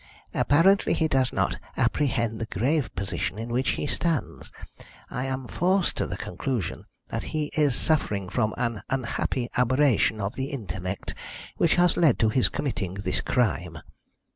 Apparently he does not apprehend the grave position in which he stands. I am forced to the conclusion that he is suffering from an unhappy aberration of the intellect, which has led to his committing this crime.